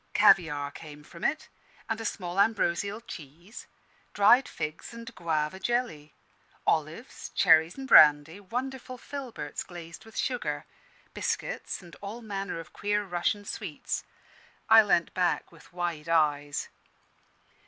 Caviare came from it, and a small ambrosial cheese; dried figs and guava jelly; olives, cherries in brandy, wonderful filberts glazed with sugar; biscuits and all manner of queer Russian sweets. I leant back with wide eyes.